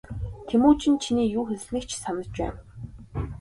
Тэмүжин чиний юу хэлснийг ч санаж байна.